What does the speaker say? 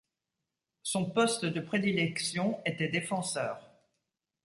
Son poste de prédilection était défenseur.